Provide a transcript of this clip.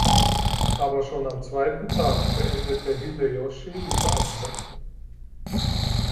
Aber schon am zweiten Tag beendete Hideyoshi die Veranstaltung.